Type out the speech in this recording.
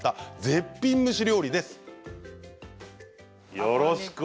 絶品蒸し料理です。